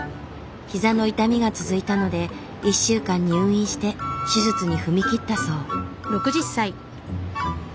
膝の痛みが続いたので１週間入院して手術に踏み切ったそう。